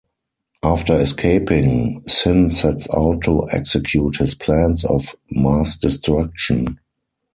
After escaping, Sin sets out to execute his plans of mass destruction.